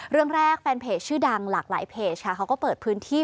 เรื่องแรกแฟนเพจชื่อดังหลากหลายเพจค่ะเขาก็เปิดพื้นที่